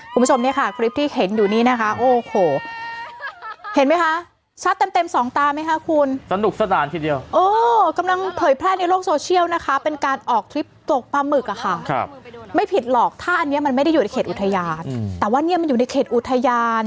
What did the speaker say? คุณผู้ชมนี่ค่ะคลิปที่เห็นอยู่นี่นะคะ